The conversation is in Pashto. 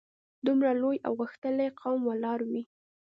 دومره لوی او غښتلی قوم ولاړ وي.